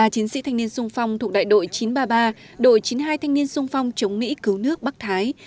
ba chiến sĩ thanh niên sung phong thuộc đại đội chín trăm ba mươi ba đội chín mươi hai thanh niên sung phong chống mỹ cứu nước bắc thái